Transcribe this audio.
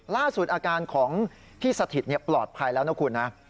อาการของพี่สถิตปลอดภัยแล้วนะคุณนะ